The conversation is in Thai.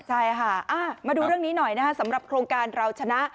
ใช่ค่ะมาดูเรื่องนี้หน่อยนะคะสำหรับโครงการเราชนะ